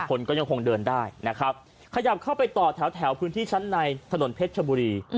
คนก็ยังคงเดินได้นะครับขยับเข้าไปต่อแถวพื้นที่ชั้นในถนนเพชรชบุรี